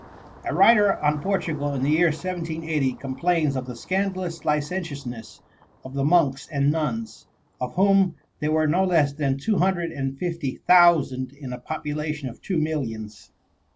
A writer on Portugal, in the year 1780, complains of the scandalous licentiousness of the monks and nuns, of whom there were no less than two hundred and fifty thousand in a population of two millions.